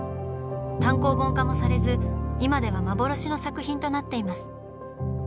単行本化もされず今では幻の作品となっています。